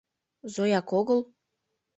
Зояк огыл?